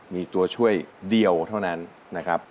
มีตัวช่วยเดียวเท่านั้นนะครับ